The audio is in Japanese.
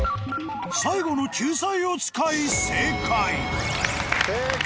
最後の救済を使い正解正解！